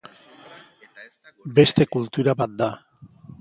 Beste kultura bat da.